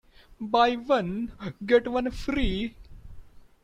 Buy one, get one free.